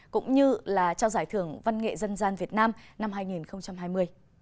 cũng như là trao giải thưởng văn nghệ dân gian việt nam năm hai nghìn hai mươi